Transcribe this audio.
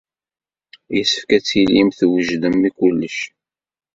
Yessefk ad tilim twejdem i kullec.